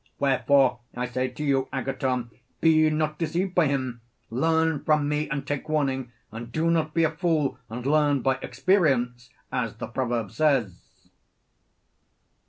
Wherefore I say to you, Agathon, 'Be not deceived by him; learn from me and take warning, and do not be a fool and learn by experience, as the proverb says.'